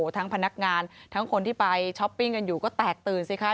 ทั้งพนักงานทั้งคนที่ไปช้อปปิ้งกันอยู่ก็แตกตื่นสิคะ